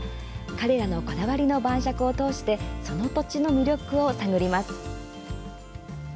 彼らのこだわりの晩酌を通してその土地の魅力を探ります。